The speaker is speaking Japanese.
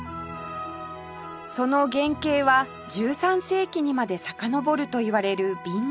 その原形は１３世紀にまでさかのぼるといわれる紅型